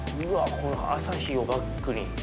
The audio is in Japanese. この朝日をバックに。